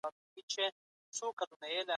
د نبي په زمانه کي مسلمان د ذمي قاتل سو.